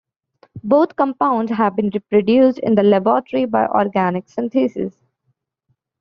Both compounds have been reproduced in the laboratory by organic synthesis.